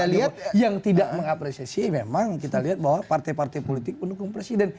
kita lihat yang tidak mengapresiasi memang kita lihat bahwa partai partai politik pendukung presiden